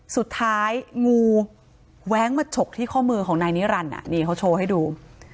สุดท้ายงูแว้งมาฉกที่ข้อมือของนายนิรันดินี่เขาโชว์ให้ดู